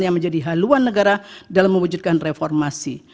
yang menjadi haluan negara dalam mewujudkan reformasi